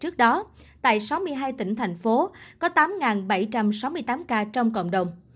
trước đó tại sáu mươi hai tỉnh thành phố có tám bảy trăm sáu mươi tám ca trong cộng đồng